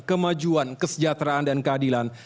kemajuan kesejahteraan dan keadilan